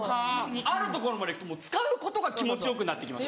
あるところまでいくと使うことが気持ちよくなってきます。